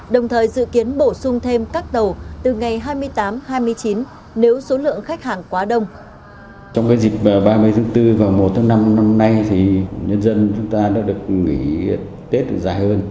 đồng thời dự kiến bổ sung thêm các tàu từ ngày hai mươi tám hai mươi chín nếu số lượng khách hàng quá đông